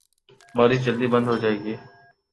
بارش جلدی بند ہو جائے گی۔